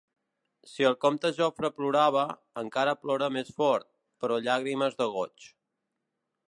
Si el comte Jofre plorava, encara plora més fort, però llàgrimes de goig.